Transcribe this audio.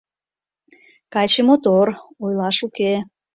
— Каче мотор, ойлаш уке!